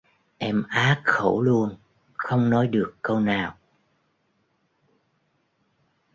Em á khẩu luôn không nói được câu nào